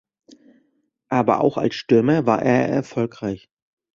Aber auch als Stürmer war er erfolgreich.